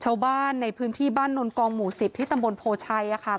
ชาวบ้านในพื้นที่บ้านนนกองหมู่๑๐ที่ตำบลโพชัยค่ะ